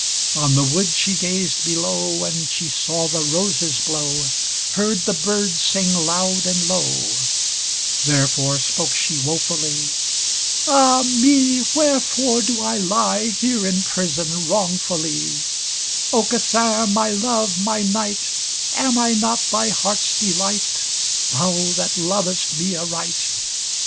On the wood she gazed below, And she saw the roses blow, Heard the birds sing loud and low, Therefore spoke she wofully: "Ah me, wherefore do I lie Here in prison wrongfully: Aucassin, my love, my knight, Am I not thy heart's delight, Thou that lovest me aright!